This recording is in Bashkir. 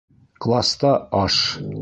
Класта-аш...